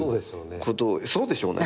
まあそうでしょうね。